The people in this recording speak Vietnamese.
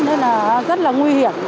nên là rất là nguy hiểm